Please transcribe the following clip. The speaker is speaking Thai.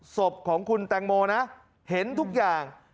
ศพของคุณแตงโมนะเห็นทุกอย่าง